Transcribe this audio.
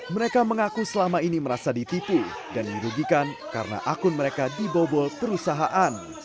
mereka mengaku selama ini merasa ditipu dan dirugikan karena akun mereka dibobol perusahaan